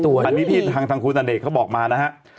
อันนี้ที่ทางคุณอเนกเขาบอกมานะฮะ